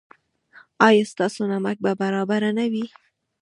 ایا ستاسو نمک به برابر نه وي؟